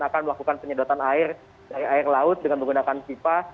akan melakukan penyedotan air dari air laut dengan menggunakan pipa